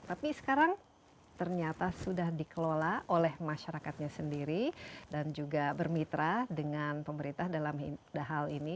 tapi sekarang ternyata sudah dikelola oleh masyarakatnya sendiri dan juga bermitra dengan pemerintah dalam hal ini